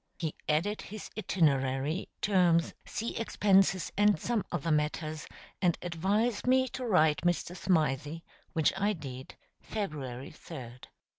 He added his itinerary, terms, sea expenses, and some other matters, and advised me to write Mr. Smythe, which I did February 3d.